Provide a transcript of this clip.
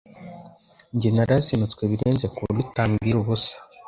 njye narazinutswe birenze ku buryo utambwira ubusa